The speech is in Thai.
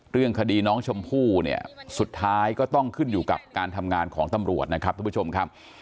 เรื่องคดีน้องชมพู่เนี่ยสุดท้ายก็ต้องขึ้นอยู่กับการทำงานของตำรวจนะครับทุกผู้ชมครับ